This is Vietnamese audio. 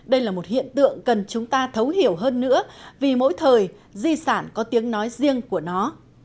đây là một hiện tượng cần chúng ta thấu hiểu hơn nữa vì mỗi thời di sản có tiếng nói riêng của nó